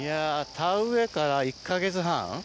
田植えから１か月半？